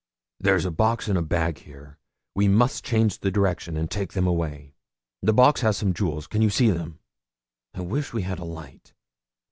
There's a box and a bag here; we must change the direction, and take them away. The box has some jewels. Can you see them? I wish we had a light.'